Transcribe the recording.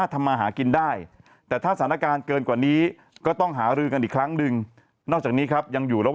อะไรเซซีบองเอานอนอยู่